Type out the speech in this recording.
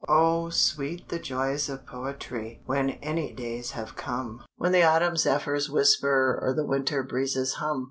Oh, sweet the joys of poetry When any days have come, When the autumn zephyrs whisper Or the winter breezes hum!